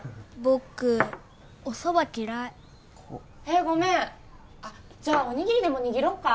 僕おそば嫌いえっごめんあっじゃあおにぎりでも握ろっか？